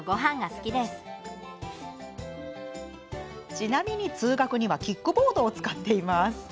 ちなみに、通学にはキックボードを使っています。